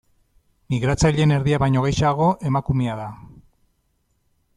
Migratzaileen erdia baino gehixeago emakumea da.